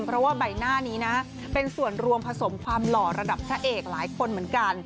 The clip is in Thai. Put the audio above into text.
เพราะว่าใบหน้านี้นะเป็นส่วนรวมผสมความหล่อระดับพระเอกหลายคนเหมือนกัน